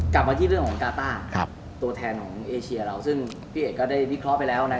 กลับมาที่เรื่องของกาต้าตัวแทนของเอเชียเราซึ่งพี่เอกก็ได้วิเคราะห์ไปแล้ว